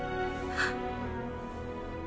あっ。